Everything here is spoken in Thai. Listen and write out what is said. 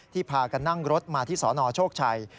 พากันนั่งรถมาที่สนโชคชัย